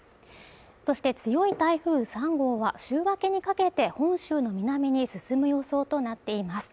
そして強い台風３号は週明けにかけて本州の南に進む予想となっています。